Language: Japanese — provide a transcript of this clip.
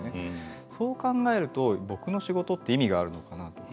そう考えると僕の仕事って意味があるのかな？とか。